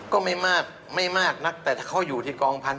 ก็ไม่มากไม่มากนักแต่ถ้าเขาอยู่ที่กองพันธ